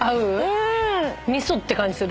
味噌って感じする？